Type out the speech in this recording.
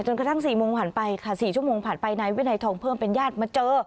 กระทั่ง๔โมงผ่านไปค่ะ๔ชั่วโมงผ่านไปนายวินัยทองเพิ่มเป็นญาติมาเจอ